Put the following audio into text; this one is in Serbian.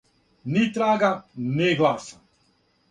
Ни трага, ни гласа.